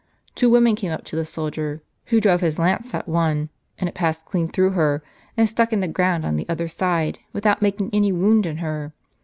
Two women came up to the soldier, who drove his lance at one, and it passed clean through her, and stuck in the ground on the other side, without making any wound in her.